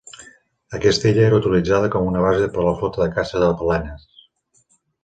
Aquesta illa era utilitzada com una base per la flota de caça de balenes.